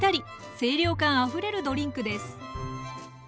清涼感あふれるドリンクです。